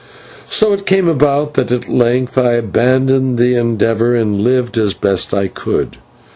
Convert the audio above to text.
So it came about that at length I abandoned the endeavour, and lived as best I could.